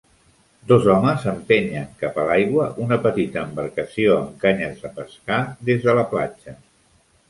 Dos homes empenyen cap a l'aigua una petita embarcació amb canyes de pescar des de la platja.